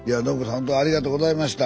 ほんとありがとうございました。